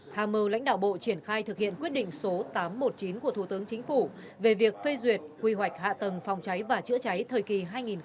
tham mưu lãnh đạo bộ triển khai thực hiện quyết định số tám trăm một mươi chín của thủ tướng chính phủ về việc phê duyệt quy hoạch hạ tầng phòng cháy và chữa cháy thời kỳ hai nghìn hai mươi một hai nghìn ba mươi